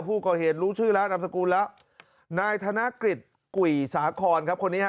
ผู้ก็เห็นรู้ชื่อนามสกุลแล้วนายธนกฤษกุ่ยสาคอนครับคนนี้